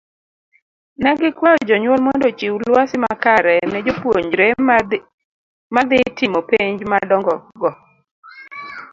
Negikwayo jonyuol mondo ochiw lwasi makare ne jo puonjre madhii timo penj madongo go.